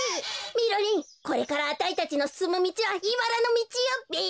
みろりんこれからあたいたちのすすむみちはいばらのみちよべ。